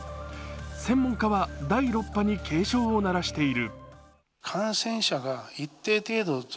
専門家は第６波に警鐘を鳴らしている。